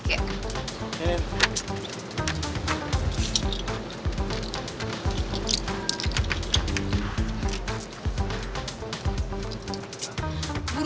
udah udah udah